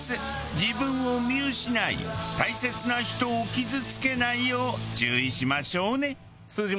自分を見失い大切な人を傷つけないよう注意しましょうね。